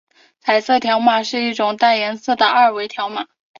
彩色条码是一种带颜色的二维条码。